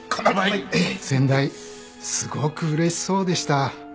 先代すごく嬉しそうでした。